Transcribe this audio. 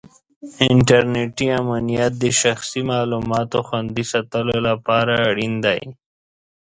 انټرنېټي امنیت د شخصي معلوماتو خوندي ساتلو لپاره اړین دی.